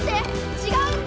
違うんだ！